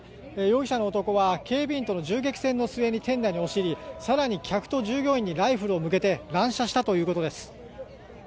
容疑者の男は警備員との銃撃戦の末に店内に押し入り更に客と従業員にライフルを向けて乱射したということです。